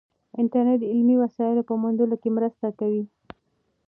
انټرنیټ د علمي وسایلو په موندلو کې مرسته کوي.